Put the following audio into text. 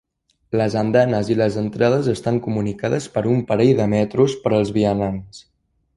Les andanes i les entrades estan comunicades per un parell de metros per als vianants.